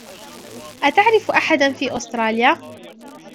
أتعرف أحدًا في أستراليا؟